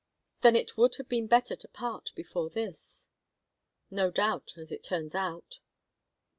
"Then it would have been better to part before this." "No doubt as it turns out."